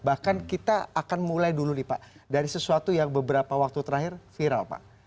bahkan kita akan mulai dulu nih pak dari sesuatu yang beberapa waktu terakhir viral pak